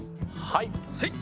はい。